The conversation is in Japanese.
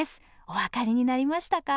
お分かりになりましたか？